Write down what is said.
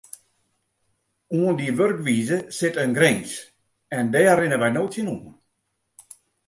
Oan dy wurkwize sit in grins en dêr rinne wy no tsjinoan.